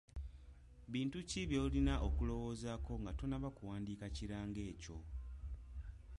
Bintu ki by'olina okulowoozaako nga tonnaba kuwandiika kirango ekyo?